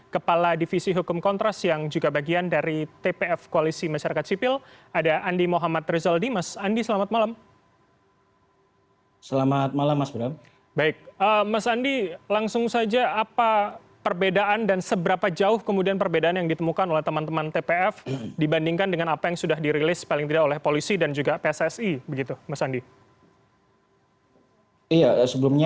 kepala divisi hukum kontras yang juga bagian dari tpf koalisi masyarakat sipil ada andi mohamad rizal dimas andi selamat malam